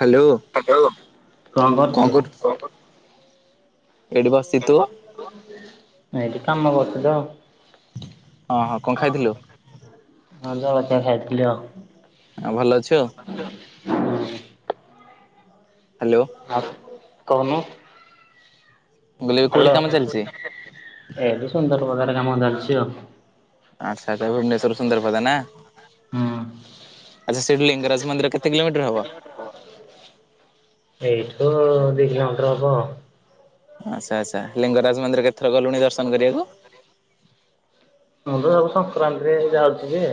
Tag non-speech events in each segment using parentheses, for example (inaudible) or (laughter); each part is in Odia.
ହ୍ୟାଲୋ। ହାଲୋ କଣ କରୁଛୁ? ଏଇଠି ବସିଛି ତୁ? ଏଇଠି କାମ କରୁଛ ତ ହଁ ହଁ କଣ ଆଉ। ଖାଇଥିଲୁ? ହଁ ଜଳଖିଆ ଖାଇଥିଲି ଆଉ। ଆଉ ଭଲ ଅଛୁ? ହଁ ହ୍ୟାଲୋ। ଆ କହୁନୁ? ମୁଁ କହିଲି କୋଉଠି ହ୍ୟାଲୋ କାମ ଚାଲିଛି? ଏନ୍ତି ସୁନ୍ଦର ବନରେ କାମ ଚାଲିଛି ଆଉ। ଆଚ୍ଛା ଆଛା ଭୁବନେଶ୍ୱର ସୁନ୍ଦରପଦା ନା? ହୁଁ। ଆଛା ସେଇଠୁ ଲିଙ୍ଗରାଜ ମନ୍ଦିର କେତେ କିଲୋମିଟର ହବ? ହ (unintelligible) ଏଇଠୁ ଦି କିଲମିଟର ହବ। ଆଚ୍ଛା ଆଚ୍ଛା ଲିଙ୍ଗରାଜ ମନ୍ଦିର କେଥର ଗଲୁଣି ଦର୍ଶନ କରିବାକୁ? ନ ହେଲେ ଆଉ ସଂକ୍ରାନ୍ତି ରେ ଯାଉଛି ଯେ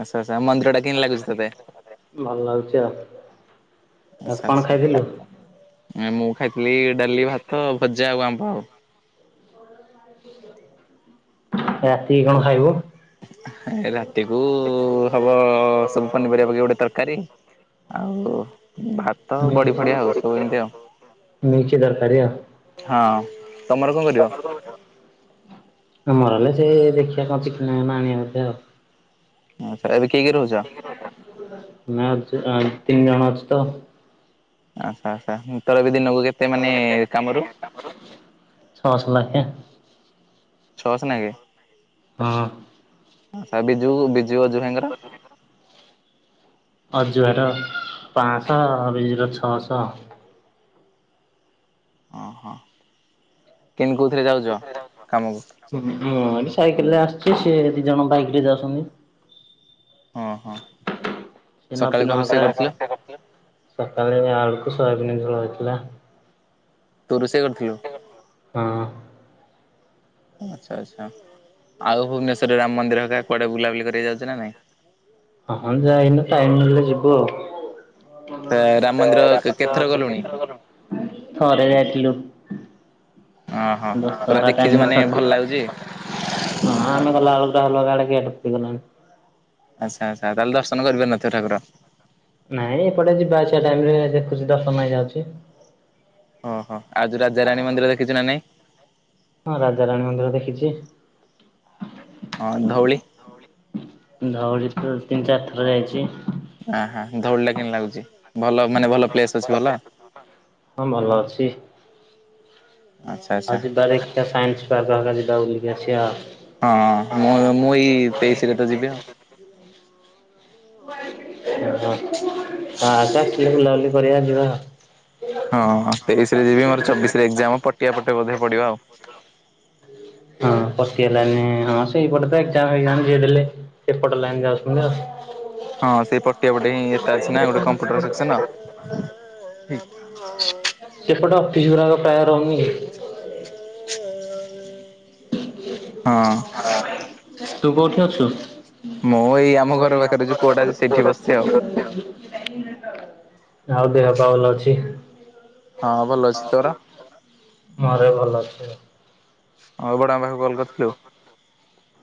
ଆଛା ଆଛା ମନ୍ଦି ଭଲ ଲାଗୁଛି ଆଉ ଆ ଆଚ୍ଛା କଣ ଆଚ୍ଛା ଖାଇଥିଲୁ? ମୁଁ ଖାଇଥିଲି ଡାଲି ଭାତ ଭଜା ଆଉ ଆମ୍ବ ଆଉ। ରାତି କଣ ଖାଇବୁ? ରାତି କୁ ହବ ସବୁ ପନିପରିବା ପକେଇକି ଗୋଟେ ତରକାରୀ। ଆଉ ଭାତ ବଡି ମିକ୍ସ ଫଡି ଆଉ ସବୁ ଏମିତି ଆଉ। ତରକାରୀ ଆଉ। ହଁ ତମର କଣ କରିବ? ଆମର ହେଲେ ସେ ଦେଖିବା କଣ ଚିକେନ ଫିକେନ୍ ବୋଧେ ଆଉ। ଆଛା ଏବେ କିଏ କିଏ ରହୁଛ? (unintelligible) ତିନି ଜଣ ଅଛୁତ। ଆଚ୍ଛା ଆଛା ତୋର ଏବେ ଦିନକୁ କେ (unintelligible) ଛଅଶ ଲାଖେ। ଛ ସ ନାଖେ? ହଁ। ବିଜୁ ବିଜୁ ଅଜୁ ଭାଇଙ୍କର? ଅଜୁ ଭାଇ ର ପଂଶା ବିଜୁ ର ଛ ସ। ଅହଁ କେମିତି କେଉଁଥିରେ ଯାଉଛ କାମକୁ? କେମିତି ଅଣି ସାଇକେଲ ରେ ଆସିଛି ସେ ଦି ଜଣ ବାଇକ ରେ ଯାଉଛନ୍ତି। ହଁ ହଁ। ସେ ସକାଳେ କଣ ନବୀନ ହକା ରୋଷେଇ କରିଥିଲୁ ରୋସେଇ କରିଥିଲେ ସକାଳେ ଆଳୁ କୁ ସୋୟାବିନ ଝୋଳ ହେଇଥିଲା। ତୁ ରୋଷେଇ କରିଥିଲୁ? ହଁ। ଆଚ୍ଛା ଆଚ୍ଛା ଆଉ ଭୁବନେଶ୍ୱରରେ ରାମ ମନ୍ଦିର ହେକା କୁଆଡ଼େ ବୁଲାବୁଲି କରି ଯାଉଛି ନା ନାଇଁ? ହଁ ଯାଇନି ଟାଇମ ହେଲେ ଯିବୁ ଆଉ। ରାମ ରାମ ମନ୍ଦିର କେତେଥର ତୁ ଗଲୁଣି? କେତେ ଥର ଗଲୁଣୁ? ଥରେ ଯାଇଥିଲି। ଓହୋ ପୁରା ଦଶହରା ଦେଖିଛୁ ଟାଇମ୍ ମାନେ ଭଲ ଲାଗୁଛି? (unintelligible) ହଁ ଆମେ ଗଲା ବେଳକୁ ଡହଲଗା ଆଡେ ଗେଟ୍ ପକେଇ ଦେଲେଣି। ଆଚ୍ଛା ଆଚ୍ଛା ତାଲେ ଦର୍ଶନ କରିପାରିନଥିବ ଠାକୁର। ନାଇଁ ଏପଟେ ଯିବା ଆସିବା ଟାଇମ ରେ ଦେଖୁଛି ଦର୍ଶନ ହେଇଯାଉଛି। ଓହ ଆଉ ରାଜା ରାଣୀ ମନ୍ଦିର ଦେଖିଛୁ ନା ନାଇଁ? ହଁ ରାଜାରାଣୀ ମନ୍ଦିର ଦେଖିଛି। ହଁ ଧଉଳି? ଧଉଳି ତି ତିନି ଚାରି ଥର ଯାଇଛି। ଆହା ଧଉଳିଟା କେମିତି ଲାଗୁଛି ଭଲ ମାନେ ଭଲ ପ୍ଲେସ ଅଛି ଭଲ? ହଁ ଭଲ ଅଛି। ଆଚ୍ଛା ଆଚ୍ଛା। ଆଉ ଯିବା ଦେଖିବା ସାଇନ୍ସି ପାର୍କ ହକା ବୁଲିକି ଆସିବା। ହଁ ମୁଁ ମୁଁ ଏଇ ତେଇସିରେ ତ ଯିବି ଆଉ। (unintelligible) ହଁ ତୁ ଆସେ ଆସିଲେ ବୁଲା ବୁଲି କରିବା ଯିବା। ହଁ ତେଇସି ରେ ଯିବି ମୋର ଚବିସିରେ ଏଜାମ ପଟିଆ ପଟେ ବୋଧେ ପଢ଼ିବ ଆଉ। ହଁ ପଟିଆଲାଇନି ହଁ ସେଇପଟେ ଏକ୍ସାମ ଫେକଜାମ୍ ଯିଏ ଦେଲେ ଏପଟ ଲାଇନ୍ ଯାଉସନ୍ତି ଆଉ। ହଁ ସେଇ ପଟିଆ ପଟେ ହିଁ ଏଟା ଅଛି ନା ଗୋଟେ କମ୍ପୁଟର ସେକ୍ସନ। ସେପଟେ ଅଫିସ ଗୁରାକ ପ୍ରାୟ ରହୁନି ଇ? ହଁ। ତୁ କୋଉଠି ଅଛୁ? ଏଇ ଆମ ମୁଁ ଘର ଏଇ ଆମ ଯୋଉ ଘର କୁଅଟା ଅଛି ପାଖରେ ଗୋଟେ ସେଇଠି ଦୋରା ଅଛି ବସିଛି ଆଉ। ସେଠି ବସିଚି ଆଉ। ଆଉ ଦେହ ପାଆ ଭଲ ଅଛି? ହଁ ଭଲ ଅଛି ତୋର ମୋର ବି ଭଲ ଅଛି। ଆଉ ବଡା ପାଖୁଁ କଲ୍ କରିଥିଲୁ?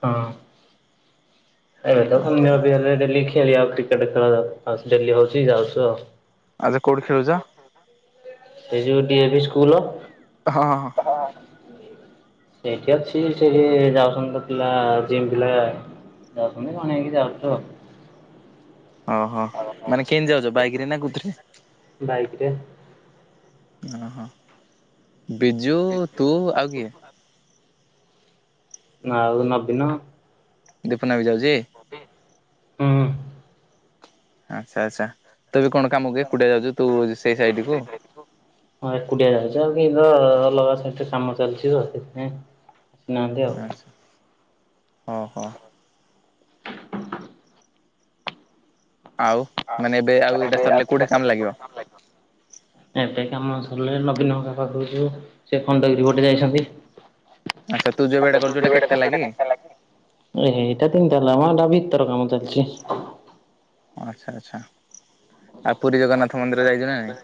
ହଁ ଏବେ ତ ଆଚ୍ଛା। ସଂଧ୍ୟା ଉଦି ହେଲେ ଡେଲି ଖେଳିଆଉ ଟି ଏବେ ତ ଆଉ ସେ ଡେଲି ହଉଚି ଯାଉଚୁ ଆଉ। ଆଜି କୋଉଠି ଖେଳୁଚ? ସେଇ ଯୋଉ ଡି ଏ ଭି ସ୍କୁଲ। ହଁ ହଁ। ସେଇଠି ଅଛି ସେଠି ଯାଉଛନ୍ତି ତ ପିଲା ଜିମ୍ ପିଲା। ଯାଉଚନ୍ତି କଣେଇକି ଯାଉଚୁ ଅ। ଅହ ମାନେ କେନ୍ତି ଯାଉଚ ବାଇକରେ ନା କୋଉଥିରେ? ବାଇକରେ। ଅହ ବିଜୁ ତୁ ଆଉ କିଏ? ନାଁ ଆଉ ନବୀନ। ଦୀପୁନା ବି ଯାଉଚି? ହୁଁ। ଆଚ୍ଛା ଆଚ୍ଛା ତୁ ବି କଣ କାମକୁ ଏକୁଟିଆ ଯାଉଚୁ ତୁ ସେ ସାଇଟ୍ କୁ? ହଁ ଏକୁଟିଆ ଯାଉଚି ଆଉ କି ଅଲଗା ସାଇଟ୍ ରେ କାମ ଚାଲିଚି ତ ସେଥିପାଇଁ। ଆସିନାହାନ୍ତି ଆଉ ଆଚ୍ଛା ହଁ ହ। ଆଉ ମାନେ ଏବେ ଆଉ ଏଟା ସରିଲେ କୋଉଠି କାମ ଲାଗିବ? ଏବେ କାମ ସରିଲେ ନବୀନ ହକା ପାଖୁକୁ ଯିବୁ ସେ ଖଣ୍ଡଗିରି ପଟେ ଯାଇଛନ୍ତି। ଆଚ୍ଛା ତୁ ଯୋଉ ବାଟେ କରୁଚୁ ହେଟା କେ ତାଲା କି? ଏ ହେଇଟା ତିନ ତାଲା ମ ଏଟା ଭିତର କାମ ଚାଲଚି। ଆଚ୍ଛା ଆଚ୍ଛା ଆ ପୁରୀ ଜଗନ୍ନାଥ ମନ୍ଦିର ଯାଇଚୁ ନା ନାଇଁ?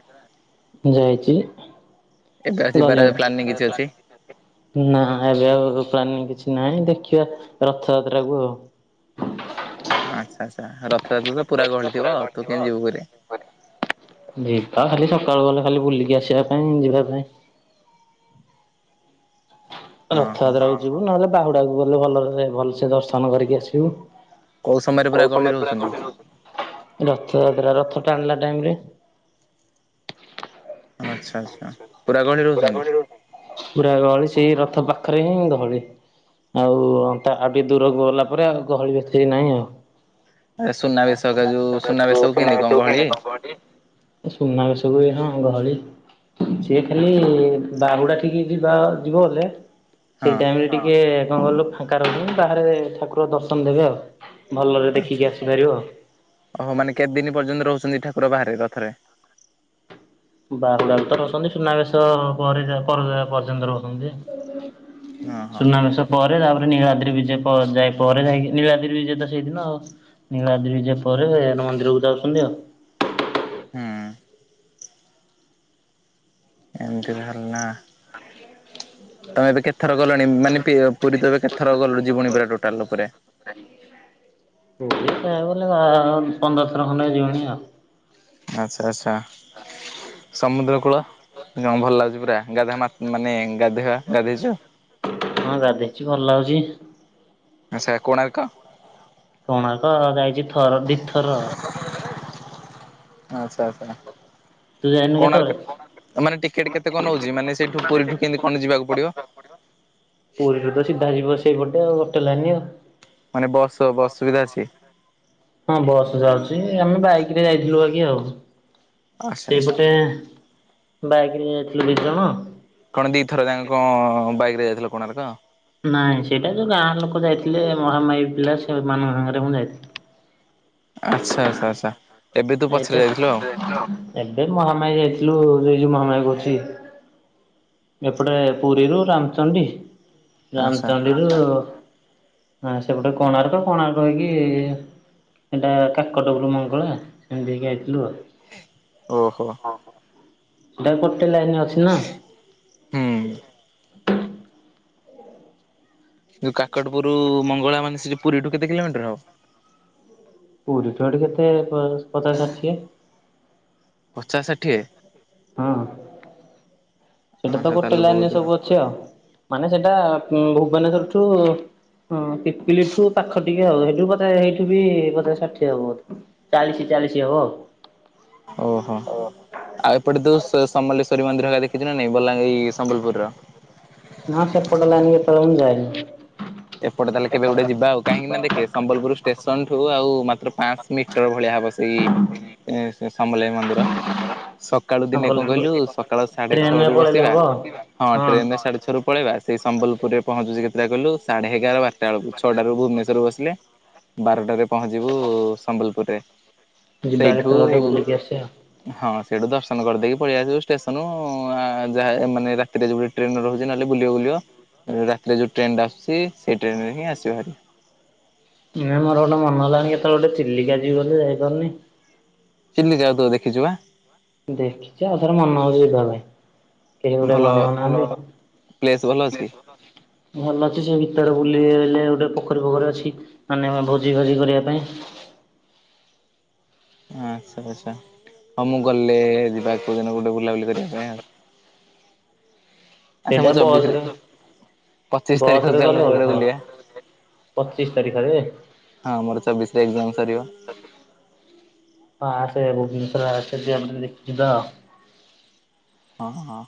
ଯାଇଚି ଏବେ ଆଉ ଯିବାର ପ୍ଲାନିଂ କିଛି ଅଛି? ଗଲିଣି ନାଁ ଏବେ ଆଉ ପ୍ଲାନି କିଛି ନାହିଁ ଦେଖିବା ରଥଯାତ୍ରାକୁ ଆଉ। ଆଚ୍ଛା ଆଚ୍ଛା ରଥଯାତ୍ର ତ ପୁରା ଗହଳିଥିବ ଆଉ ତୁ କେମି ଯିବୁ ପୁରି? ଯିବା ଖାଲି ସକାଳୁ ଗଲେ ଖାଲି ବୁଲିକି ଆସିବା ପାଇଁ ଯିବା ପାଇଁ। ହଁ ହଁ। ରଥଯାତ୍ରାକୁ ଯିବୁ ନହେଲେ ବାହୁଡାକୁ ଗଲେ ଭଲରେ ଭଲସେ ଦର୍ଶନ କରିକି ଆସିବୁ। କୋଉ ସମୟରେ ପୁରା ଗହଳି ରହୁଛନ୍ତି ରଥଯାତ୍ରା ରଥ ଟାଣିଲା ଟାଇମ୍ ରେ। ଆଚ୍ଛା ଆଚ୍ଛା ପୁରା ଗହଳି ରହୁଛନ୍ତି? ପୁରା ଗହଳି ସେଇ ରଥ ପାଖରେ ହିଁ ଗହଳି। ଆଉ ତା ଆଉ ଟିକେ ଦୂରକୁ ଗଲା ପରେ ଆଉ ଗହଳି ବେଶୀ ନାହିଁ ଆଉ। ଆଚ୍ଛା ସୁନାବେଶ ଏକା ଯୋଉ ସୁନାବେଶଟାକୁ କେମିତି କଣ ସୁନାବେଶକୁ ଗହଳି କେନ୍ତି କଁ କହ ଟିଏ। ଏ ସୁନାବେଶକୁ ବି ହଁ ଗହଳି ସିଏ ରେ ବାହୁଡ଼ା ଠିକି ଯିବା ଯିବ ବଲେ ହଁ ସେଇ ଟାଇମ ରେ ଟିକେ କଁ କଲୁ ଫାଙ୍କା ରହୁଚି ବାହାରେ ଠାକୁର ଦର୍ଶନ ଦେବେ ଆଉ। ଭଲରେ ଦେଖିକି ଆସିପାରିବ। ଅହ ମାନେ କେତେ ଦିନ ପର୍ଯ୍ୟନ୍ତ ରହୁଛନ୍ତି ଠାକୁର ବାହାରେ ରଥରେ? ବାହୁଡ଼ା ତ ରଛନ୍ତି ସୁନାବେଶ ପରେ ପର ପର୍ଯ୍ୟନ୍ତ ରହୁଛନ୍ତି। ଓହୋ ସୁନାବେଶ ପରେ ତାପରେ ନୀଳାଦ୍ରି ବିଜେ ପ ଯାଇ ପରେ ଯାଇକି ନୀଳାଦ୍ରି ବିଜେ ତ ସେଇଦିନ ନୀଳାଦ୍ରି ବିଜେ ପରେ ମନ୍ଦିରକୁ ଯାଉଛନ୍ତି ଆଉ। ହଁ। ଏମିତି ଧରିଲା। ତମେ ଏବେ କେତଥର ଗଲଣି ମାନେ ପି ପୁରୀ ତ ଏବେ କେତଥର ଗଲ ଯିଵଣି ପୁରା ଟୋଟାଲ ଉପରେ। (unintelligible) ପୁରୀ ପନ୍ଦର ଥର ଖଣ୍ଡେ ଯିବଣି ଆଉ। ଆଚ୍ଛା ଆଚ୍ଛା। ସମୁଦ୍ର କୂଳ ଭଲ ଲାଗୁଛି ପୁରା ଗାଧା ମା ମାନେ ଗାଧୋଇବା ଗାଧୋଇଛ? ହଁ ଗାଧେଇଛି ଭଲ ଲାଗୁଛି। ଆଛା କୋଣାର୍କ? କୋଣାର୍କ ଯାଇଛି ଥର ଦିଥର। ଆଛା ଆଛା। ତୁ ଯାଇନୁ କେତେବେଳେ କୋଣାର୍କ ମାନେ ଟିକେଟ କେତେ କଣ ନଉଛି ମାନେ ସେଇଠୁ ପୁରୀଠୁ କେମିତି କଣ ଯିବାକୁ ପଡିବ? ପୁରୀ ଠୁ ତ ସିଧା ଯିବ ସେଇପଟେ ଆଉ ଗୋଟେ ଲାଇନି ଆଉ। ମାନେ ବସ ବସ ସୁବିଧା ଅଛି? ହଁ ବସ୍ ଯାଉଛି ଆମେ ବାଇକ ରେ ଯାଇଥିଲୁ ଆଗେ ଆଉ ଆଚ୍ଛା ଆଚ୍ଛା। ସେଇପଟେ ବାଇକରେ ଯାଇଥିଲୁ ଦି ଜଣ କଣ ଦୁଇଥର ତାଙ୍କ କ ବାଇକ୍ରେ ଯାଇଥିଲ କୋଣାର୍କ ନାଇଁ ସେଇଟା ଯୋଉ ଗାଁ ଲୋକ ଯାଇଥିଲେ ମହାମାଇ ପିଲା ସେମାନଙ୍କ ସାଙ୍ଗରେ ମୁଁ ଯାଇଥିଲି। ଆଚ୍ଛା ଆଚଛା ଆଚ୍ଛା। ଏବେ ତୁ ପଛରେ ଏଟା ଯାଇଥିଲୁ ଆଉ ଏବେ ମହାମାରୀ ଯାଇଥିଲୁ ଏ ଯୋଉ ମହାମାରୀ କରୁଛି ଏପଟେ ପୁରୀରୁ ରାମଚଣ୍ଡୀ ଆଚ୍ଛା ରାମଚଣ୍ଡୀରୁ ହ ସେପଟେ କୋଣାର୍କ କୋଣାର୍କ ହେଇକି ଏଇଟା କାକଟ ପୁର୍ ମଙ୍ଗଳା ସେମିତି ହେଇକି ଆଇଥିଲୁ ଆଉ ଓହୋ ସେଟା ଗୋଟେ ଲାଇନ ଅଛି ନା ହୁଁ ଯୋଉ କାକଟପୁରରୁ ମଙ୍ଗଳା ମାନେ ସେଠ ପୁରୀଠୁ କେତେ କିଲୋମିଟର ହବ ପୁରୀ ଠୁ ହେଁଠି କେତେ ପ ପଚାଶ ଷାଠିଏ ପଚାଶ ଷାଠିଏ ହଁ ସେଟା ହଁ ତ ସେ ଗୋଟେ ତାହେଲେ ବହୁତ ଲାଇନରେ ଦୂର ସବୁ ଅଛି ଛି ଅ ମାନେ ସେଟା ଭୁବନେଶ୍ଵର ଠୁ ଉ ପିପିଲିଠୁ ପାଖ ଟିକେ ଆଉ ସେଇଠୁ ବତେ ସେଇଠୁ ବି ପଚାସ ଷାଠିଏ ହବ ଚାଳିଶ ଚାଳିଶ ହବ ଆଉ ଓହୋ ଆଉ ଏପଟେ ଦୋଶ୍ ସ ସମଲେଶ୍ୱରୀ ମନ୍ଦିର ହେରିକ ଦେଖିଚୁ ନା ନାଇ ବଲାଙ୍ଗୀରି ସମ୍ବଲପୁର ର ନାଁ ସେପଟ ଲାଇନ କେତେଳ ମୁଁ ଯାଇନି ଏପଟେ ତାହେଲେ କେବେ ଗୋଟେ ଯିବା ଆଉ କାହିଁକି ନା ଦେଖେ ସମ୍ବଲପୁର ଷ୍ଟେସନଠୁ ଆଉ ମାତ୍ର ପାଞ୍ଚ ମିିଟ ଟର ଭଳିଆ ହେବ ସେଇ ଶ ସମ୍ଲେଇ ମନ୍ଦିର ସକାଳୁ ଦିନେ କଣ ସମ୍ବଲପୁର କହିଲୁ ସକାଳୁ ସାଢେ ଟ୍ରେନରେ ଛଅରୁୁ ପଳେଇଲେ ବସିବା ହବ ଆଉ ହଁ ଟ୍ରେନରେ ସାଢେ ଛରୁ ପଳେଇବା ସେ ସମ୍ବଲପୁରରେ ପହଞ୍ଚୁଛି କେତେଟା କଲୁ ସାଢେ ଏଗାର ବାରାଟା ବେଳୁକୁ ଛଅଟା ର ଭୁବେନେଶ୍ୱର ବସିଲେ ବାରଟାରେ ପହଞ୍ଚିବୁ ସମ୍ବଲପୁରରେ ଯିବା ସେଇଠୁ କେତେବେଳେ ଗୋଟେ ବୁଲିକି ଆସିବା ଆଉ। ହଁ ସେଠୁ ଦର୍ଶନ କରିଦେଇକି ପଳେଇଆ ଆସିବୁ ଷ୍ଟେସନ ଆ ଯାହା ମାନେ ରା ତିରେଉ ଗୋଟେ ଟ୍ରେନ ରହୁଚି ନହେଲେ ବୁଲିବା ବୁଲିବ ରାତିରେ ଯଉ ଟ୍ରେନଟା ଆସୁଚି ସେଇ ଟ୍ରେନ ରେ ହିଁ ଆସିବହାରି। ନଁ ମୋର ଗୋଟେ ମନ ହେଲାଣି କେତେବେଳେ ଗୋଟେ ଚିଲିକା ଯିବି ବୋଲି ଯାଇପାରୁନି ଚିଲିକା ଏବେ ଦେଖିଚୁ ପା ଦେଖିଚି ଆଉ ଥର ମନ ହୋଉଚି ଯିବା ପାଇଁ କେହି ଗୋଟେ ଭଲ କଣ ପ୍ଲେସ୍ ଭଲ ଯାଉନାହାନ୍ତି ଅଛି ଭଲ ଅଛି ସେ ଭିତରେ ବୁଲିଲେ ଗୋଟେ ପୋଖରୀ ଫୋଖରୀ ଅଛି ମାନେ ଭୋଜି ଫୋଜି କରିବା ପାଇଁ ଆଚ୍ଛା ଆଚ୍ଛା ହୋଉ ମୁଁ ଗଲେ ଯିବା କୋଉ ଦିନ ଗୋଟେ ବୁଲାବୁଲି କରିବା ପାଇଁ ଆଉ। ଆଚ୍ଛା ସେଇଟା ମୁଁ ଚବିଶରେ ବସ୍‌ରେ ପଚିଶ ତାରିଖ ବସ୍‌ରେ ଚାଲୁନୁ କୁଆଡେ ହବ। ବୁଲିବା ପଚିଶ ତାରିଖରେ ହଁ ହଁ ମୋର ଚବିଶରେ ଏକ୍ଜାମ ସରିବ ଆସେ ଭୁବନେଶ୍ଵର ଆସ ଯିବା ବୁଲି ଯିବା ଆଉ ହଁ ହଁ।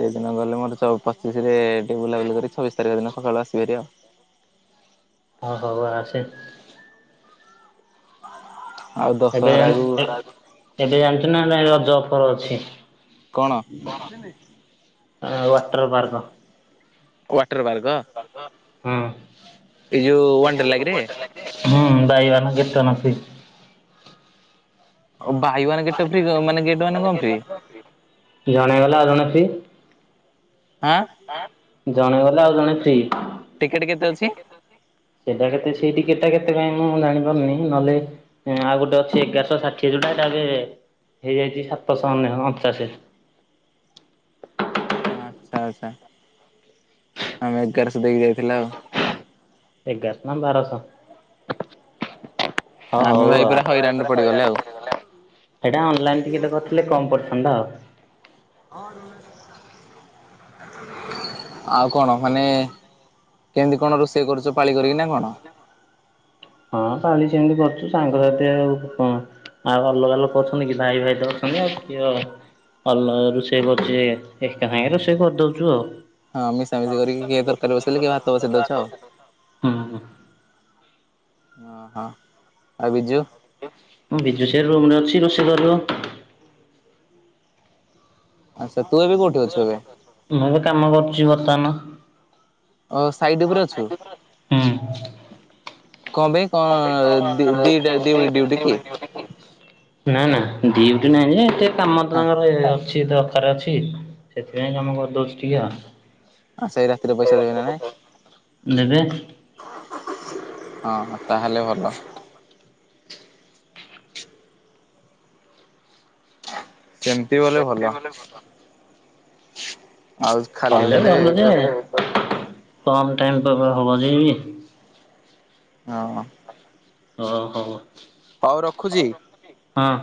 ସେଇଦିନ ଗଲେ ମୋର ପଚିଶ ରେ ଟେ ବୁଲାବୁଲି କରି ଛବିଶ ତାରିଖ ଦିନ ସକାଳୁ ଆସିବିହାରି ଆଉ। ହୋଉ ସାଙ୍ଗ ଆସେ ଆଉ ଏବେ ଦଶହରାକୁ ଜାଣି-ଜାଣିଚୁନା ନା ନାଇଁ ଜବ୍ ଫବ୍ ଅଛି କଣ ହଁ ବା ୱାଟର ବାର୍ଗ ହୁଁ ଯୋଉ ସେ ୱାଣ୍ଡର ଯୋଉ ଲାଗରେ ୱାଟ ହୁଁ buy one get one free. ଓ ବାଇୱାନ ଗେଟେ ଫି ମାନ ଗେଟ ମାନେ କଣ ଫ୍ରି? ଜଣେଗଲେ ଆଉ ଜଣେ ଫ୍ରି। ଆଁ। ଜଣେ ଗଲେ ଆଉ ଜଣେ ଫ୍ରି। ଟିକେଟ୍ କେତେ ଅଛି? ସେଇଟା କେତେ ସିଟ କେଟା କେତେ ପାଇଁ ମୁଁ ଜାଣିପାରୁନି ନହେଲେ ଆଉ ଗୋଟେ ଅଛି ଏଗାରଶହ ଷାଠିଏ ଯୋଉଟା ଏଟା ହେଇଯାଇଛି ସାତଶହ ଅଣଚାଶେ ହଁ ଆଚ୍ଛା ଆଚ୍ଛା ଆମେ ଏଗାରଶହ ଦେଇକି ଯାଇଥିଲା ଆଉ ଏଗାରଶହ ନା ବାରଶହ? ହଁ ଆମେ ହୋଉ ଭାଇ ପୁରା ଆଉ ହଇରାଣରେ ଏଇଟା ପଡିଗଲେ ଆଉ ଅନଲାଇନ ଟିକେଟ କରିଥିଲେ କମ୍ ପଡିଥାନ୍ତା ଆଉ। ଆଉ କଣ ମାନେ କେମିତି କଣ ରୋଷେଇ କରୁଚ ପାଳି କରିକିନା ନା କଣ? ହଁ କାଲି ସେମିତି କରୁଚୁ ସାଙ୍ଗସାଥି ଆଉ କଣ ଆଉ ଅଲଗାଲୋକ ଅଛନ୍ତି କି ଭାଇ ଭାଇ ତ ଅଛନ୍ତି ଆଉ କିଏ? ଅଲଗା ରୋଷେଇ କରୁଛି ଏକା ସାଙ୍ଗରେ ରୋଷେଇ କରିଦୋଉଛୁ ଆଉ। ହଁ ମିଶାମିଶି କରିକି କିଏ ତରକାରୀ ବସେଇଲେ କିଏ ହୁଁ। ଅ ହଁ ଆଉ ବିଜୁ? ବିଜୁ ସେ ରୁମ୍ ରେ ଅଛି ରୋଷେଇ କରିବ। ଆଚ୍ଛା ତୁ ଏବେ କୋଉଠି ଅଛୁ ଏବେ? ମୁଁ ଏବେ କାମ କରୁଚି ବର୍ତ୍ତମାନ। ଅସ ହୁଁ। (unintelligible) ନା ନା କଣ ପାଇଁ କଣ ଡିଉଟି ଦି ନାହିଁ ଦିଟା ଯେ ଡ୍ୟୁଟି କି? ଏତେ କାମ ତାଙ୍କର ଅଛି, ଦରକାର ଅଛି। ସେଥିପାଇଁ କାମ କରିଦଉଛି ଟିକେ ଆଉ। ହଁ ସେଇ ରାତିରେ ପଇସା ଦେବେ ନାଇଁ? ଦେବେ। ହଁ ତାହେଲେ ଭଲ। (inaudible) ସେମିତି ବଲେ ଭଲ। ଆଉ କଲେ ଖାଲିଟାରେ ଭଲ ଜେ କମ୍ ଟାଇମ (unintelligible) ହବ ନି। ହଁ। ହଉ, ହଉ। ହଉ ରଖୁଛି? ହଁ।